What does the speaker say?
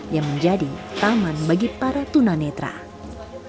yang menjadi taman bagi para tunan netral